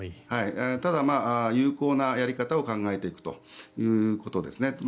ただ、有効なやり方を考えていくということですね。